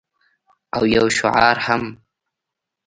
او یو شعار هم